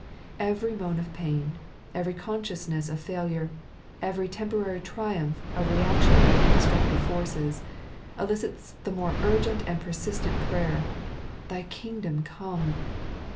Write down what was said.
Every moan of pain, every oonsdousness of failiire, every temporary triumph of reactionaiy and destructive forces — elicits the more urgent and persistent prayer, "Thy Kingdom come."